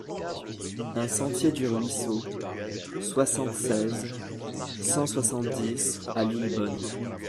un sentier du Ruisseau, soixante-seize, cent soixante-dix à Lillebonne